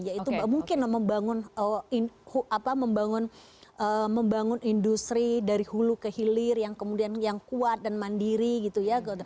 yaitu mungkin membangun industri dari hulu ke hilir yang kemudian yang kuat dan mandiri gitu ya